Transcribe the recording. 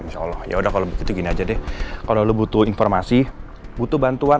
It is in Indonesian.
insya allah yaudah kalau begitu gini aja deh kalau lo butuh informasi butuh bantuan